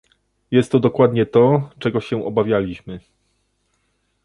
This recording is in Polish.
Jest to dokładnie to, czego się obawialiśmy